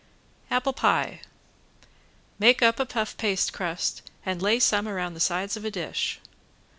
~APPLE PIE~ Make up a puff paste crust and lay some around the sides of a dish.